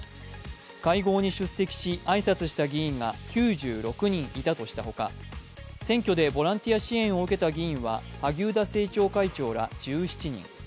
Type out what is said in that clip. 会合に出席し、挨拶した議員が９６人いたとしたほか選挙でボランティア支援を受けた議員は萩生田政調会長ら１７人。